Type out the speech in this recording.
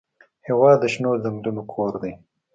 هېواد د شنو ځنګلونو کور دی.